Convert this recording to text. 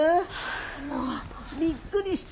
もうびっくりした。